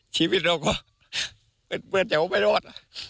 ชีวิตเราก็เป็นเบื้อเจ๋วไม่รอด